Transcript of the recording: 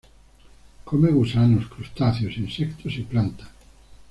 Come gusanos, crustáceos, insectos y plantas.